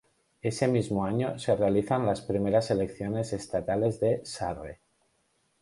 Ese mismo año se realizan las primeras elecciones estatales de Sarre.